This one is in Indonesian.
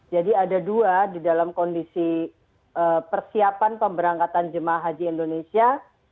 jadi ada dua di dalam kondisi persiapan pemberangkatan jemaah haji indonesia